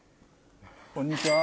こんにちは。